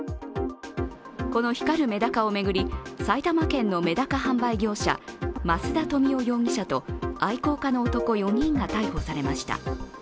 この光るメダカを巡り、埼玉県のメダカ販売業者、増田富男容疑者と愛好家の男４人が逮捕されました。